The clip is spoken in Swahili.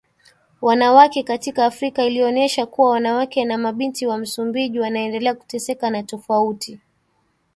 wanawake katika Afrika ilionesha kuwa wanawake na mabinti wa Msumbiji wanaendela kuteseka na tofauti